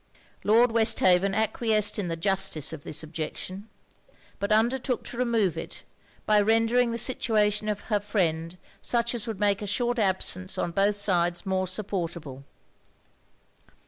Lord Westhaven acquiesced in the justice of this objection, but undertook to remove it by rendering the situation of her friend such as would make a short absence on both sides more supportable.